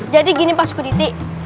jadi gini pak sukur haziq